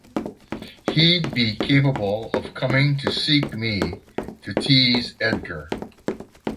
He’d be capable of coming to seek me, to tease Edgar.